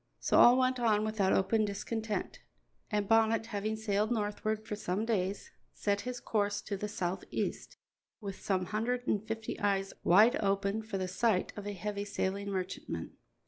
So all went on without open discontent, and Bonnet, having sailed northward for some days, set his course to the southeast, with some hundred and fifty eyes wide open for the sight of a heavy sailing merchantman.